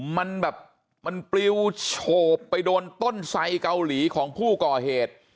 มันแบบมันปลิวโฉบไปโดนต้นไสเกาหลีของผู้ก่อเหตุ